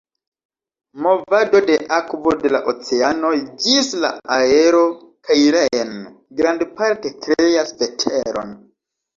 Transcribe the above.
Movado de akvo de la oceanoj ĝis la aero kaj reen grandparte kreas veteron.